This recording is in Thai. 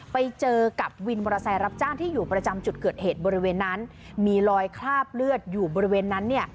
ไปเจอกับวินมอเตอร์ไซค์รับจ้างที่อยู่ประจำจุดเกิดเหตุบริเวณนั้นมีรอยคราบเลือดอยู่บริเวณนั้นเนี่ย